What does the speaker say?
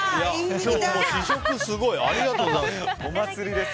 試食すごい。ありがとうございます。